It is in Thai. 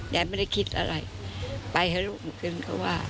ยายไม่ได้คิดอะไรไปเถอะลูกเหมือนกันก็ว่า